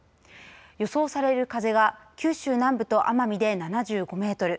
予想される風が九州南部と奄美で７５メートル。